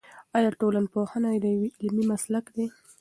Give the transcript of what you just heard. آیا ټولنپوهنه یو علمي مسلک دی؟